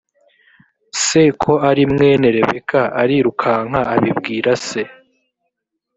se ko ari mwene rebeka arirukanka abibwira se